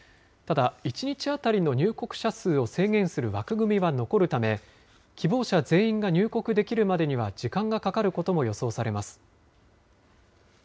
ただ、１日当たりの入国者数を制限する枠組みは残るため、希望者全員が入国できるまでには時間がかかることも予想されます。